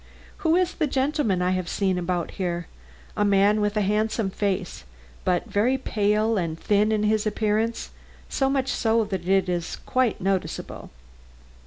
"Who is the gentleman I have seen about here a man with a handsome face, but very pale and thin in his appearance, so much so that it is quite noticeable?"